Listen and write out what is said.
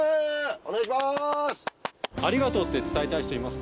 お願いします。